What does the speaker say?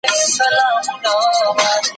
له هوا به پر هوسۍ حمله کومه